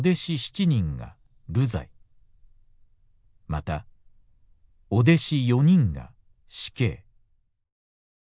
また御弟子四人が死刑」。